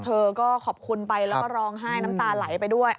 เธอก็ขอบคุณไปแล้วก็ร้องไห้น้ำตาไหลไปด้วย